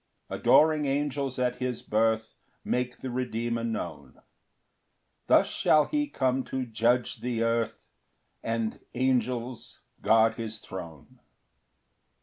4 Adoring angels at his birth Make the Redeemer known; Thus shall he come to judge the earth, And angels guard his throne.